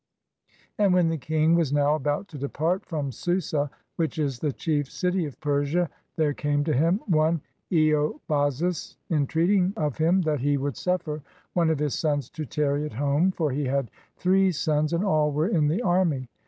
And when the king was now about to depart from Susa, which is the chief city of Persia, there came to him one (Eobazus, entreating of him that he would suffer one of his sons to tarry at home, for he had three sons and all were in the army.